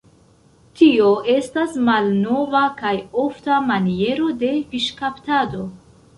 Tio estas malnova kaj ofta maniero de fiŝkaptado.